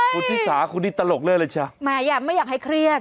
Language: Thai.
คุณชิสาคุณนี่ตลกเลยใช่ไหมอ่ะไม่อยากให้เครียด